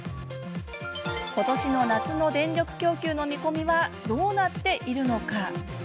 ことしの夏の電力供給の見込みはどうなっているのか。